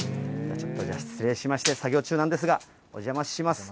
ちょっとじゃあ、失礼しまして、作業中なんですが、お邪魔します。